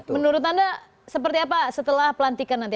menurut anda seperti apa setelah pelantikan nanti